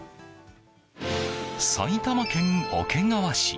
埼玉県桶川市。